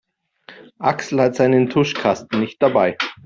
Axel hat seinen Tuschkasten nicht dabei.